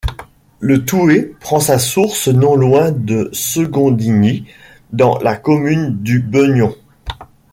Le Thouet prend sa source non loin de Secondigny, dans la commune du Beugnon.